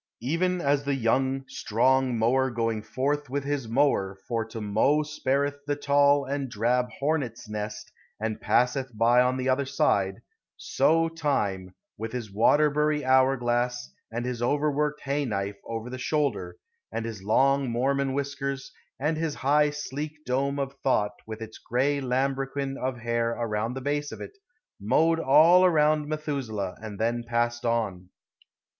Even as the young, strong mower going forth with his mower for to mow spareth the tall and drab hornet's nest and passeth by on the other side, so Time, with his Waterbury hour glass and his overworked hay knife over his shoulder, and his long Mormon whiskers, and his high sleek dome of thought with its gray lambrequin of hair around the base of it, mowed all around Methuselah and then passed on.